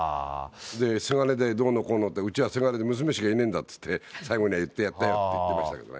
せがれでどうのこうのって、うちはせがれで娘しかいないんだって、最後には言ってやったって言ってましたけどね。